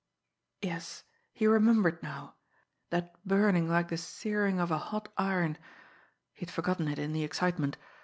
Yes he remembered now that burning like the searing of a hot iron. He had forgotten it in the excitement.